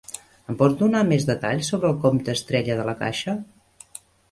Em pots donar més detalls sobre el compte Estrella de La Caixa?